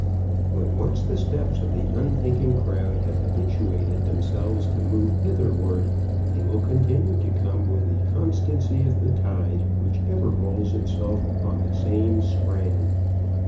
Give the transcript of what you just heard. When once the steps of the unthinking crowd have habituated themselves to move hither ward, they will continue to come with the constancy of the tide, which ever rolls itself on the same strand."